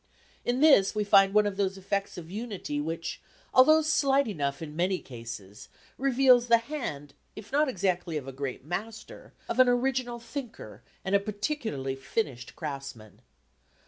In this we find one of those effects of unity which, although slight enough in many cases, reveal the hand, if not exactly of a great master, of an original thinker and a particularly finished craftsman.